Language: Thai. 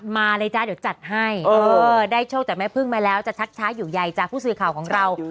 มาเลยจ๊ะเดี๋ยวจัดให้ได้โชคจากแม่พึ่งมาแล้วจะชักช้าอยู่ใยจ้ะผู้สื่อข่าวของเรา